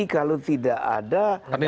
kalau tidak ada